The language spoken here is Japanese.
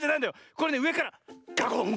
これねうえからガコン！